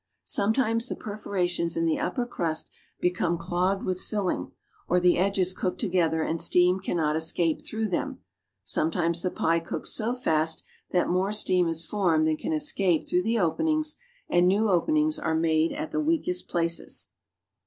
Sometimes the perforations in the upper crust become clogged with filling or the edges cook together and steam can not escape through them; sometimes the pie cooks so fast that more steam is formed than can escape through the openings and new openings are made at the weakest places.